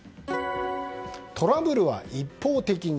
トラブルは一方的に。